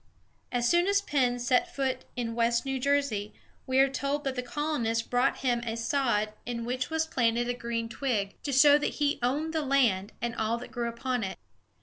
As soon as Penn set foot in West New Jersey, we are told that the colonists brought him a sod in which was planted a green twig, to show that he owned the land and all that grew upon it.